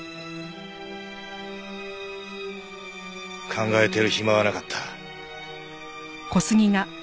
考えてる暇はなかった。